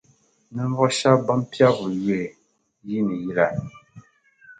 ninvuɣ’ shɛb’ bɛn piɛbiri yuhi yiini yila.